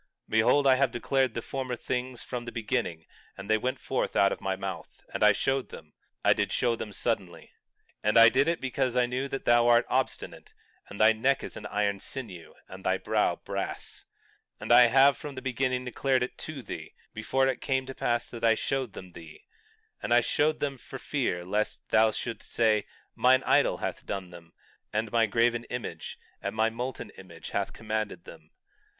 20:3 Behold, I have declared the former things from the beginning; and they went forth out of my mouth, and I showed them. I did show them suddenly. 20:4 And I did it because I knew that thou art obstinate, and thy neck is an iron sinew, and thy brow brass; 20:5 And I have even from the beginning declared to thee; before it came to pass I showed them thee; and I showed them for fear lest thou shouldst say—mine idol hath done them, and my graven image, and my molten image hath commanded them.